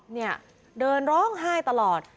เนี่ยเดินร้องไห้ตลอด